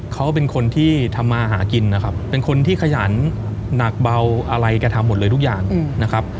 เขาเป็นคนที่ทำมาหากินนะครับเป็นคนที่ขยันหนักเบาอะไรแกทำหมดเลยทุกอย่างนะครับ